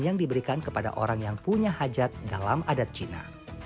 yang diberikan kepada orang yang punya hajat dalam adat cina